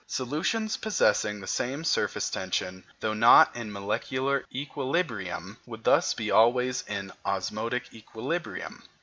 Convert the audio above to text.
Solutions possessing the same surface tension, though not in molecular equilibrium, would thus be always in osmotic equilibrium.